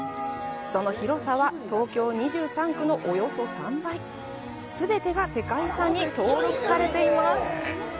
その広さは東京２３区のおよそ３倍全てが世界遺産に登録されています。